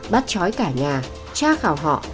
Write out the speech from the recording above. bắt chói cả nhà tra khảo họ